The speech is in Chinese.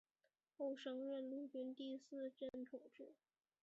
后升任陆军第四镇统制。